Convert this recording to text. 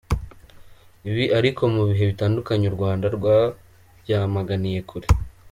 Ibi ariko mu bihe bitandukanye u Rwanda rwabyamaganiye kure.